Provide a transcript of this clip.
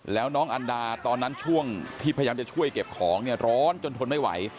แล้วน้องอันดาตอนนั้นช่วงที่พยายามจะช่วยเก็บของเนี่ยร้อนจนทนไม่ไหว